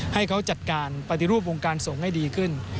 ให้เขาจัดการปฏิรูปวงการส่งให้ดีขึ้น